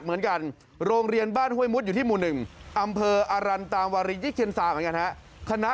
เฮ่ยไปเร็วปีนขึ้นปีนลง